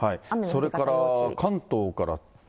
それから関東から。